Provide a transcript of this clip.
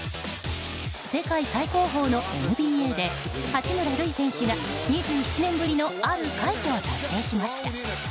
世界最高峰のＮＢＡで八村塁選手が２７年ぶりのある快挙を達成しました。